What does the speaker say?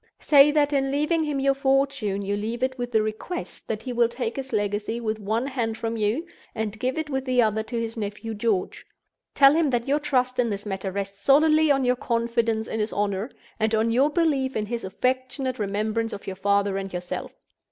Say that, in leaving him your fortune, you leave it with the request that he will take his legacy with one hand from you, and give it with the other to his nephew George. Tell him that your trust in this matter rests solely on your confidence in his honor, and on your belief in his affectionate remembrance of your father and yourself.